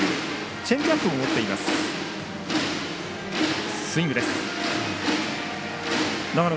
チェンジアップも持っています河野。